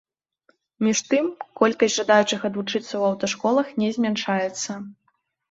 Між тым, колькасць жадаючых адвучыцца ў аўташколах не змяншаецца.